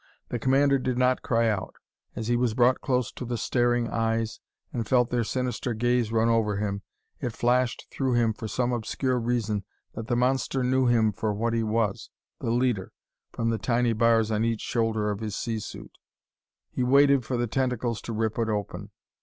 The commander did not cry out. As he was brought close to the staring eyes, and felt their sinister gaze run over him, it flashed through him for some obscure reason that the monster knew him for what he was, the leader, from the tiny bars on each shoulder of his sea suit.... He waited for the tentacles to rip it open.